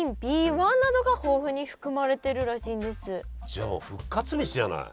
じゃあ復活飯じゃない。